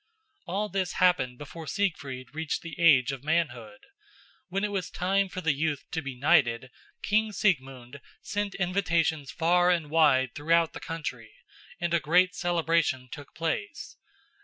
All this happened before Siegfried reached the age of manhood. When it was time for the youth to be knighted, King Siegmund sent invitations far and wide throughout the country, and a great celebration took place.